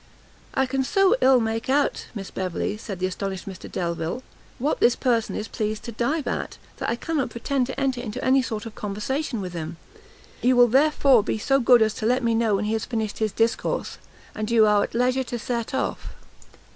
"I can so ill make out, Miss Beverley," said the astonished Mr Delvile, "what this person is pleased to dive at, that I cannot pretend to enter into any sort of conversation with him; you will therefore be so good as to let me know when he has finished his discourse, and you are at leisure to set off."